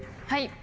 はい。